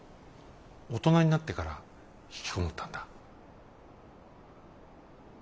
大人になってからひきこもったんだ。